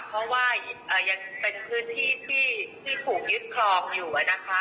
เพราะว่ายังเป็นพื้นที่ที่ถูกยึดครองอยู่นะคะ